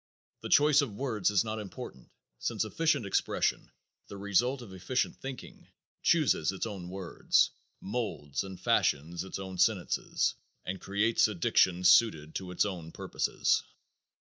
The choice of words is not important since efficient expression, the result of efficient thinking, chooses its own words, moulds and fashions its own sentences, and creates a diction suited to its own purposes.